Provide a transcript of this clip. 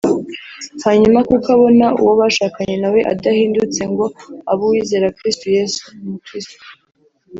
hanyuma kuko abona uwo bashakanye na we adahindutse ngo abe uwizera Kristo Yesu (umukiristu)